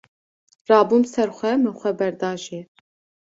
rabûm ser xwe, min xwe berda jêr